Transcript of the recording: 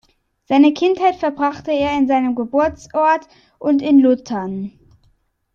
Seine Kindheit verbrachte er in seinem Geburtsort und in Luthern.